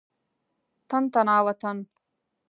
تن تنا وطن.